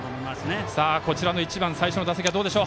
こちらの１番最初の打席はどうでしょう。